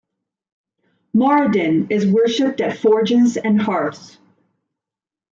Moradin is worshipped at forges and hearths.